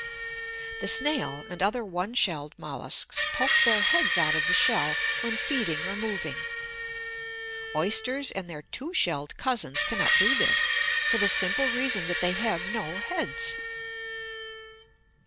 The Snail, and other one shelled molluscs, poke their heads out of the shell when feeding or moving. Oysters and their two shelled cousins cannot do this, for the simple reason that they have no heads!